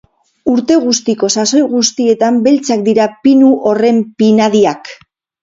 Urte guztiko sasoi guztietan beltzak dira pinu horren pinadiak.